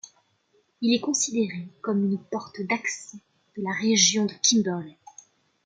Il est considéré comme une porte d'accès de la région de Kimberley.